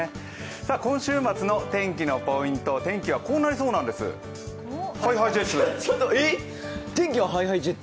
今週末の天気のポイント天気はこうなりそうなんです。ＨｉＨｉＪｅｔｓ。